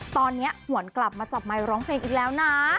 ตอนนี้หวนกลับมาจับไมค์ร้องเพลงอีกแล้วนะ